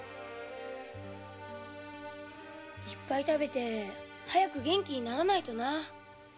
いっぱい食べて早く元気にならないとな。